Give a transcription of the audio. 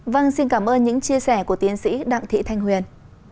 vâng xin cảm ơn những chia sẻ của tiến sĩ đặng thị thanh huyền